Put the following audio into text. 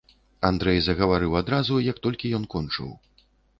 Андрэй загаварыў адразу, як толькі ён кончыў.